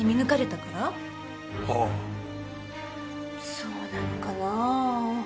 そうなのかなぁ？